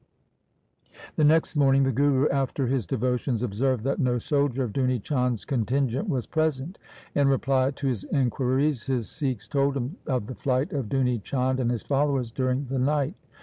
The next morning the Guru after his devotions observed that no soldier of Duni Chand's contingent was present. In reply to his inquiries, his Sikhs told him of the flight of Duni Chand and his followers during the night.